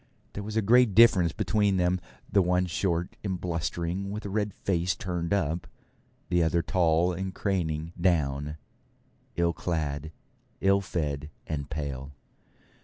There was a great difference between them; the one short and blustering, with a red face turned up; the other tall and craning down, ill clad, ill fed, and pale.